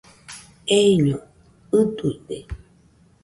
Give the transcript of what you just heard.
Eiño ɨduide